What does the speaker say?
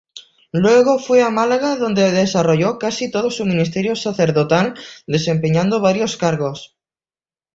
Luego fue a Málaga donde desarrolló casi todo su ministerio sacerdotal desempeñando varios cargos.